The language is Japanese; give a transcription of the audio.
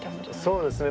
そうですね。